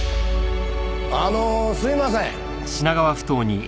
あのすみません。